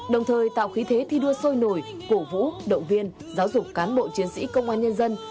đồng thời tạo khí thế thi đua sôi nổi cổ vũ động viên giáo dục cán bộ chiến sĩ công an nhân dân